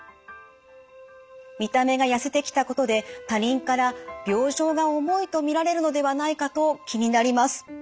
見た目がやせてきたことで他人から病状が重いと見られるのではないかと気になります。